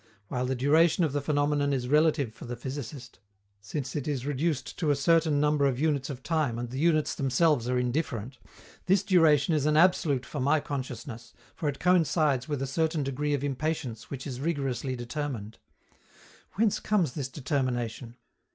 While the duration of the phenomenon is relative for the physicist, since it is reduced to a certain number of units of time and the units themselves are indifferent, this duration is an absolute for my consciousness, for it coincides with a certain degree of impatience which is rigorously determined. Whence comes this determination?